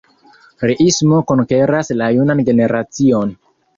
Riismo konkeras la junan generacion.